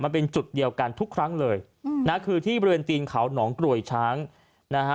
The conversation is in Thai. มันเป็นจุดเดียวกันทุกครั้งเลยนะคือที่บริเวณตีนเขาหนองกรวยช้างนะฮะ